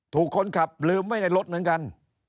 ถูกคนขับลืมไว้ในรถเหมือนกัน